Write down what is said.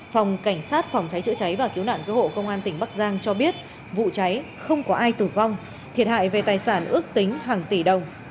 phòng cảnh sát phòng cháy chữa cháy và cứu nạn cứu hộ công an tỉnh bắc giang cho biết vụ cháy không có ai tử vong thiệt hại về tài sản ước tính hàng tỷ đồng